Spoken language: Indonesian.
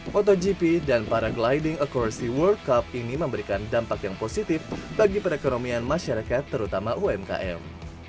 motogp dan paragliding acuracy world cup ini memberikan dampak yang positif bagi perekonomian masyarakat terutama umkm